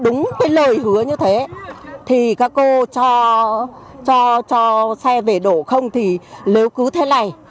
đúng cái lời hứa như thế thì các cô cho xe về đổ không thì nếu cứ thế này